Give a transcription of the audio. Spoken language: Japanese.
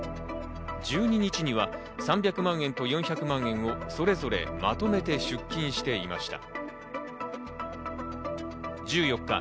１２日には３００万円と４００万円をそれぞれまとめて出金していました。